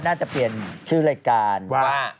น่าจะเปลี่ยนชื่อรายการว่า